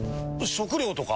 食料とか？